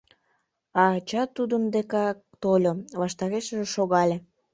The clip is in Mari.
А ача тудын декак тольо, ваштарешыже шогале.